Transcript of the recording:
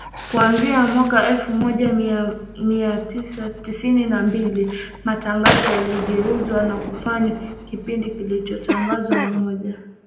Kuanzia mwaka elfu moja mia tisa sitini na mbili, matangazo yaligeuzwa na kufanywa kipindi kilichotangazwa moja kwa moja, kila siku kutoka Washington.